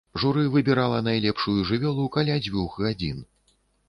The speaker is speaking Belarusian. Журы выбірала найлепшую жывёлу каля дзвюх гадзін.